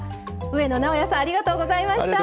上野直哉さんありがとうございました。